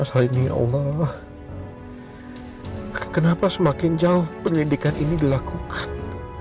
kenapa semakin jauh penyelidikan ini dilakukan